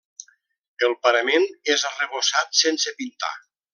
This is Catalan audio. El parament és arrebossat sense pintar.